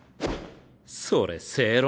それ正論？